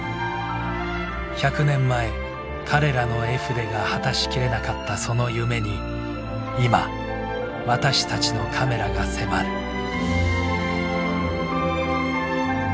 １００年前彼らの絵筆が果たしきれなかったその夢に今私たちのカメラが迫る。